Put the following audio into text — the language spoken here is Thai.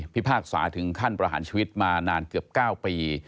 พากษาถึงขั้นประหารชีวิตมานานเกือบ๙ปี